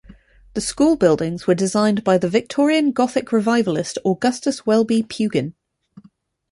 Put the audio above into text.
The school buildings were designed by the Victorian Gothic revivalist Augustus Welby Pugin.